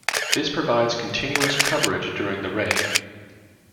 This provided continuous coverage during the raid.